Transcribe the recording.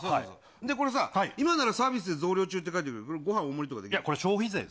でこれさ、今ならサービスで増量中って書いてるけど、ごはん大盛りとかできこれ、消費税です。